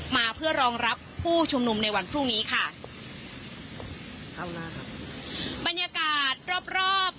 มาเพื่อรองรับผู้ชุมนุมในวันพรุ่งนี้ค่ะเอาหน้าครับบรรยากาศรอบรอบ